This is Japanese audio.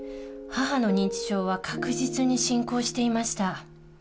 母の認知症は確実に進行していました。